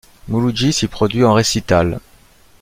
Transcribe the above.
Mouloudji s'y produit en récital.